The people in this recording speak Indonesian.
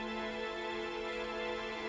ya yaudah kamu jangan gerak deh ya